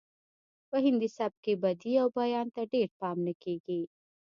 په هندي سبک کې بدیع او بیان ته ډیر پام نه کیږي